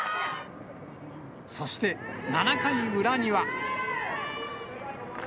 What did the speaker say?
そして、７回裏には。